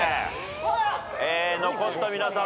残った皆さん